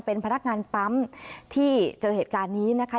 เป็นพนักงานปั๊มที่เจอเหตุการณ์นี้นะคะ